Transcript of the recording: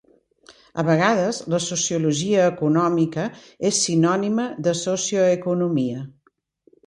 A vegades la sociologia econòmica és sinònima de socioeconomia.